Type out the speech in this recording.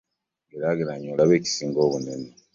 Geraageranya olabe ekisinga obunene.